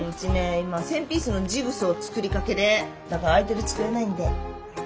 今１，０００ピースのジグソー作りかけでだから空いてる机ないんで。